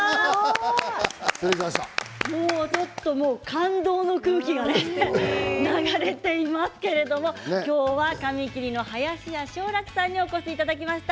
感動の空気が流れていますけれど今日は紙切りの林家正楽さんにお越しいただきました。